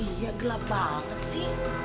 iya gelap banget sih